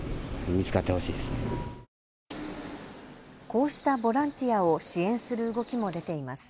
こうしたボランティアを支援する動きも出ています。